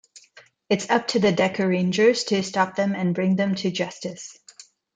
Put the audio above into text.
It's up to the Dekarangers to stop them and bring them to justice.